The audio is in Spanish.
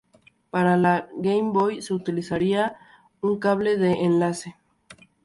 Para el Game Boy se utilizaría un cable de enlace.